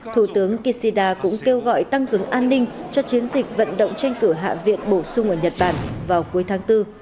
thủ tướng kishida cũng kêu gọi tăng cường an ninh cho chiến dịch vận động tranh cử hạ viện bổ sung ở nhật bản vào cuối tháng bốn